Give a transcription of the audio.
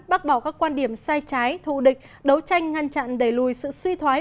bác bảo các quan điểm sai trái thù địch đấu tranh ngăn chặn đẩy lùi sự suy thoái